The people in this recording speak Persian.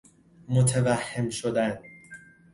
متوهم شدن